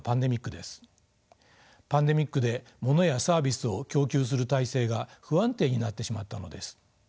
パンデミックでものやサービスを供給する体制が不安定になってしまったのです。